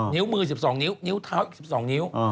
นิ้วมือ๑๒นิ้วนิ้วเท้าอีก๑๒นิ้ว